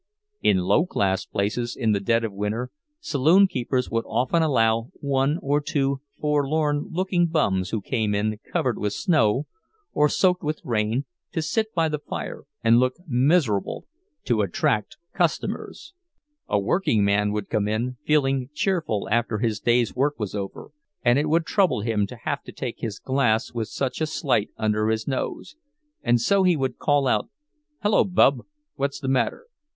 In low class places, in the dead of winter, saloon keepers would often allow one or two forlorn looking bums who came in covered with snow or soaked with rain to sit by the fire and look miserable to attract custom. A workingman would come in, feeling cheerful after his day's work was over, and it would trouble him to have to take his glass with such a sight under his nose; and so he would call out: "Hello, Bub, what's the matter?